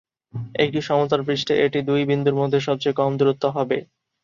একটি সমতল পৃষ্ঠে এটি দুই বিন্দুর মধ্যে সবচেয়ে কম দূরত্ব হবে।